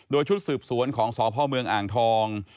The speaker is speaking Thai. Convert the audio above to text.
โดยชุดสืบสวนของสพเมืองอ่างทอง